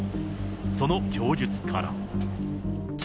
その供述から。